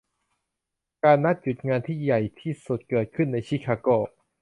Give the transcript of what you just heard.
การนัดหยุดงานที่ใหญ่ที่สุดเกิดขึ้นในชิคาโก